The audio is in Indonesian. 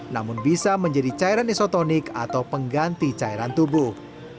namun bisa menjadi cairan isotonik atau pengganti cairan tubuh